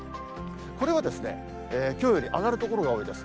これはきょうより上がる所が多いです。